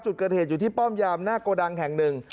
จุดเกิดเหตุอยู่ที่ป้อมยามหน้าโกดังแห่งหนึ่ง